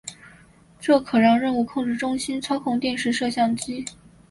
这可让任务控制中心操控电视摄像机。